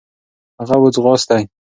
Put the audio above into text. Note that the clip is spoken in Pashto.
هغه و ځغاستی .